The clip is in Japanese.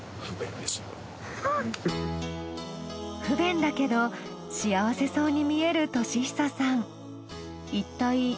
不便だけど幸せそうに見える敏久さん。